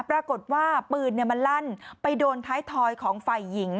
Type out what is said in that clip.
ปรากฏว่าปืนมันลั่นไปโดนท้ายทอยของฝ่ายหญิง